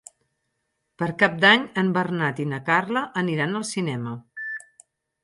Per Cap d'Any en Bernat i na Carla aniran al cinema.